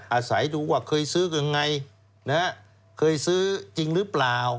อาศัยดูว่าเคยซื้อกันยังไงเคยซื้อจริงหรือเปล่า